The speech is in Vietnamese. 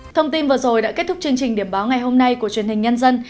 thông tin vừa rồi đã kết thúc chương trình điểm báo ngày hôm nay của truyền hình nhân dân